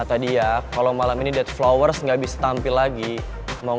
tapi sebenernya uplift